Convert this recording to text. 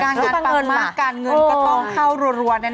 การงานปังมากการเงินก็ต้องเข้ารวดแน่